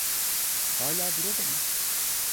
Hâlâ burada mı?